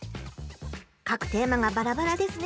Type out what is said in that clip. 書くテーマがバラバラですね。